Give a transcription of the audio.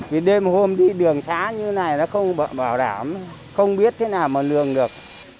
vì đêm hôm đi đường xá như này nó không bảo đảm không biết thế nào mà lường được